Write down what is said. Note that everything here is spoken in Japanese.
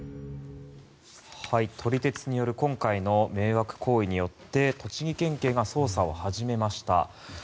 撮り鉄による今回の迷惑行為によって栃木県警が捜査を始めました。